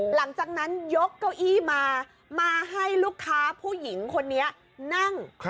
หลังจากนั้นยกเก้าอี้มามาให้ลูกค้าผู้หญิงคนนี้นั่ง